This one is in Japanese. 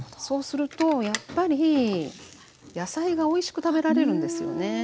そうするとやっぱり野菜がおいしく食べられるんですよね。